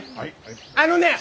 あのねえ